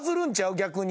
逆に。